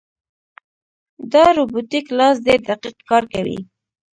دا روبوټیک لاس ډېر دقیق کار کوي.